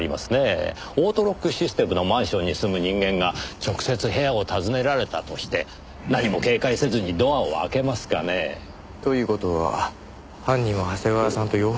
オートロックシステムのマンションに住む人間が直接部屋を訪ねられたとして何も警戒せずにドアを開けますかね？という事は犯人は長谷川さんとよほど親しい関係だった。